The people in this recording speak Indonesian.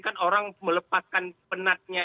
kan orang melepaskan penatnya